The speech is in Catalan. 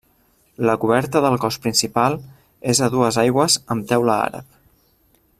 La coberta del cos principal és a dues aigües amb teula àrab.